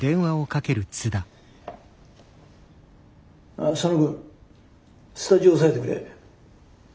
ああ佐野くん。スタジオ押さえてくれ。